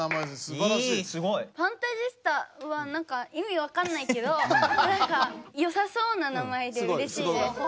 ファンタジスタはなんか意味わかんないけどよさそうな名前でうれしいです。